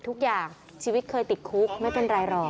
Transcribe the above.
ปู่มหาหมุนีบอกว่าตัวเองอสูญที่นี้ไม่เป็นไรหรอก